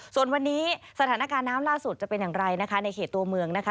ส่วนวันนี้สถานการณ์น้ำล่าสุดจะเป็นอย่างไรนะคะในเขตตัวเมืองนะคะ